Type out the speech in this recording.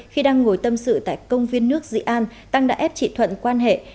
khi đang ngồi tâm sự tại công viên nước dị an tăng đã ép chị thuận quan hệ